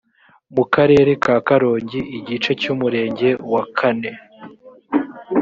mu karere ka karongi igice cy umurenge wa kane